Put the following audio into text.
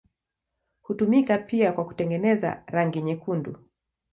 Hutumika pia kwa kutengeneza rangi nyekundu.